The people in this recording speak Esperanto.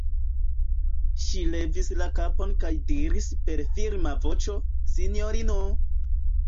Ŝi levis la kapon kaj diris per firma voĉo: -- Sinjorino!